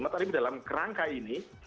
tapi dalam kerangka ini